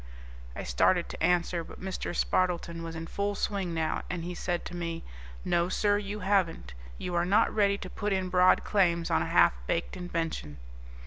I started to answer, but Mr. Spardleton was in full swing now, and he said to me, "No, sir, you haven't. You are not ready to put in broad claims on a half baked invention."